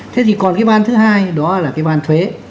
thế thì còn cái van thứ hai đó là cái van thuế